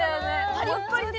パリッパリでね。